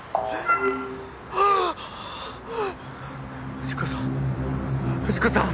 藤子さん藤子さん！